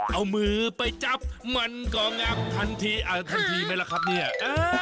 เอามือไปจับมันก็งับทันทีอาทันทีไม่แหละครับเนี่ยอาก